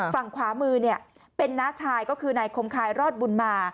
ฝั่งขวามือเป็นน้าชายก็คือนายคมคายรอดบุญมา